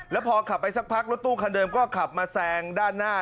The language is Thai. แล้วพอขับไปสักพักรถตู้คันเดิมก็ขับมาแซงด้านหน้า